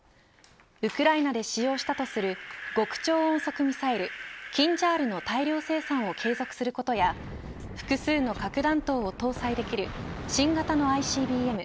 ウクライナで使用したとする極超音速ミサイルキンジャールの大量生産を継続することや複数の核弾頭を搭載できる新型のＩＣＢＭ